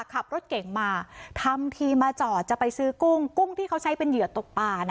ขับรถเก่งมาทำทีมาจอดจะไปซื้อกุ้งกุ้งที่เขาใช้เป็นเหยื่อตกปลา